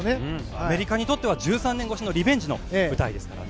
アメリカにとっては１３年越しのリベンジの舞台ですからね。